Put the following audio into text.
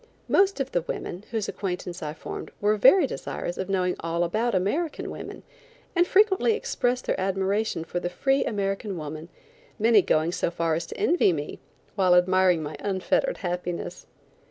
Most of the women, whose acquaintance I formed, were very desirous of knowing all about American women, and frequently expressed their admiration for the free American woman, many going so far as to envy me, while admiring my unfettered happiness.